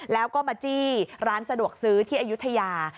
แล้วก็มาจี้ร้านสะดวกซื้อที่อายุทยา